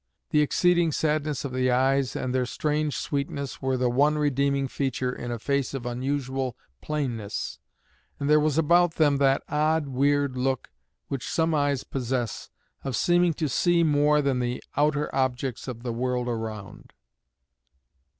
The exceeding sadness of the eyes and their strange sweetness were the one redeeming feature in a face of unusual plainness, and there was about them that odd, weird look, which some eyes possess, of seeming to see more than the outer objects of the world around."